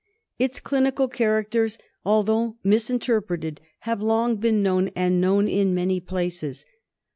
Its clinical characters, although misinterpreted, have long been known, and known in many places.